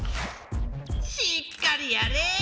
しっかりやれ！